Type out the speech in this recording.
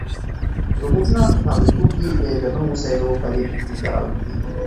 روبوټونه په فابریکو کې د درنو وسایلو په لېږد کې کارول کیږي.